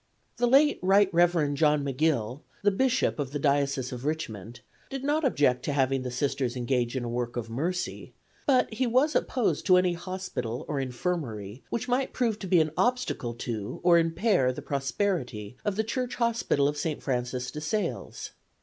The late Rt. Rev. John McGill, the Bishop of the Diocese of Richmond, did not object to having the Sisters engage in a work of mercy, but he was opposed to any hospital or infirmary which might prove to be an obstacle to or impair the prosperity of the church hospital of St. Francis de Sales.